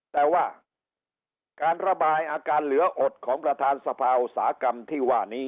แต่ว่าการระบายอาการเหลืออดของประธานสภาอุตสาหกรรมที่ว่านี้